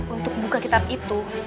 untuk buka kitab itu